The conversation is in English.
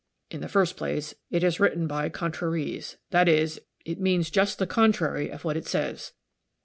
In the first place, it is written 'by contraries' that is, it means just the contrary of what it says.